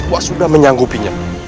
wah sudah menyanggupinya